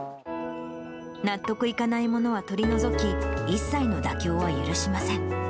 納得いかないものは取り除き、一切の妥協は許しません。